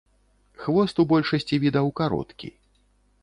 Хвост у большасці відаў кароткі.